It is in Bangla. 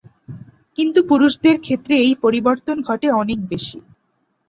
কিন্তু পুরুষদের ক্ষেত্রে এই পরিবর্তন ঘটে অনেক বেশি।